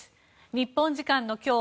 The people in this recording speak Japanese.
日本時間の今日